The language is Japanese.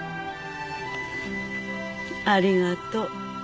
ありがとう。